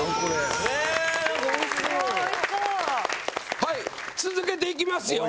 はい続けていきますよ。